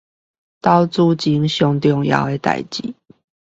投資前最重要的事